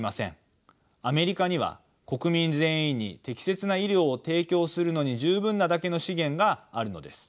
アメリカには国民全員に適切な医療を提供するのに十分なだけの資源があるのです。